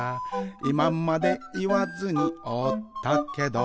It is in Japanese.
「いままでいわずにおったけど」